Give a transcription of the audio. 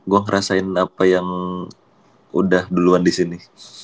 gue ngerasain apa yang udah duluan disini